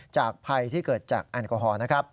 จากภัยที่เกิดจากแอลกอฮอล์